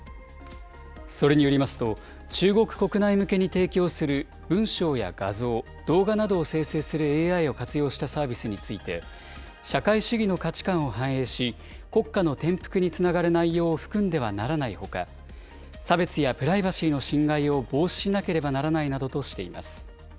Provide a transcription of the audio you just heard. それによりますと、中国国内向けに提供する文章や画像、動画などを生成するＡＩを活用したサービスについて、社会主義の価値観を反映し、国家の転覆につながる内容を含んではならないほか、差別やプライバシーの侵害を防止しなければならないなどとしています。